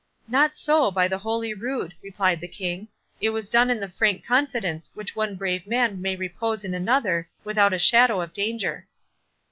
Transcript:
"Not so, by the holy rood!" replied the King; "it was done in the frank confidence which one brave man may repose in another, without a shadow of danger."